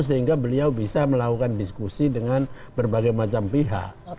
sehingga beliau bisa melakukan diskusi dengan berbagai macam pihak